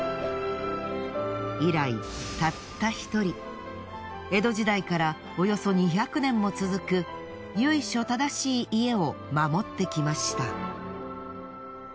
以来たった１人江戸時代からおよそ２００年も続く由緒正しい家を守ってきました。